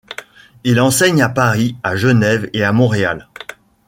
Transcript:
Il enseigne à Paris, à Genève et à Montréal.